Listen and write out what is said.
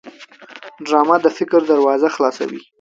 ډرامه د فکر دروازه خلاصوي